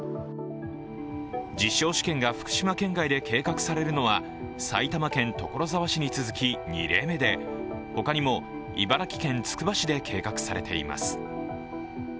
実証試験が福島県外で計画されるのは埼玉県所沢市に続き２例目で他にも茨城県つくば市で計画されています。